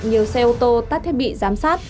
nhiều xe ô tô tắt thiết bị giám sát